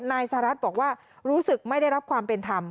นายสหรัฐบอกว่ารู้สึกไม่ได้รับความเป็นธรรม